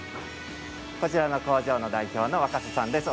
こちらの工場の代表の若狭さんです。